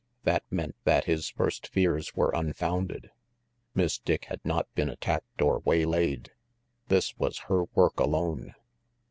That meant that his first fears were unfounded. Miss Dick had not been attacked or waylaid. This was her work alone.